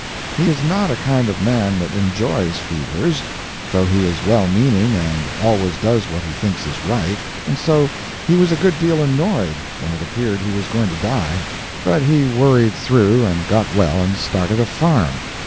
He is not a kind of man that enjoys fevers, though he is well meaning and always does what he thinks is right, and so he was a good deal annoyed when it appeared he was going to die. But he worried through, and got well and started a farm.